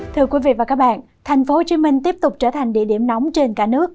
thưa quý vị và các bạn thành phố hồ chí minh tiếp tục trở thành địa điểm nóng trên cả nước